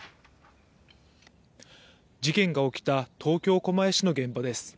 事件が起きた東京・狛江市の現場です。